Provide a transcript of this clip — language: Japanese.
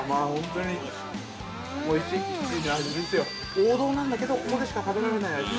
王道なんだけど、ここでしか食べられない味。